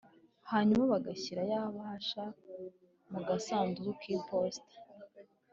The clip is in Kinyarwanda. hanyuma bagashyira ya bahasha mu gasanduku kiposita